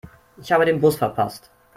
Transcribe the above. Ich habe den Bus verpasst.